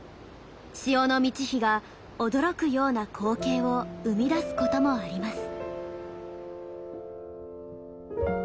潮の満ち干が驚くような光景を生み出すこともあります。